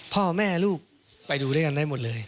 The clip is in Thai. พ่อแม่ลูกไปดูด้วยกันได้หมดเลย